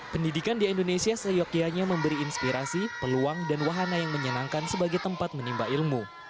pendidikan di indonesia seyokianya memberi inspirasi peluang dan wahana yang menyenangkan sebagai tempat menimba ilmu